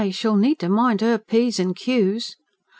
she'll need to mind her p's and q's."